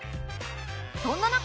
そんな中